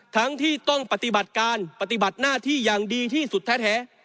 ทั้งที่ต้องปฏิบัติการปฏิบัติหน้าที่อย่างดีที่สุดแท้